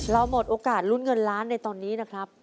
หมดโอกาสลุ้นเงินล้านในตอนนี้นะครับ